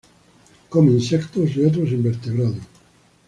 Come insectos y otros invertebrados.